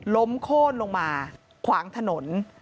ล้มโคร่นลงมาขวางถนน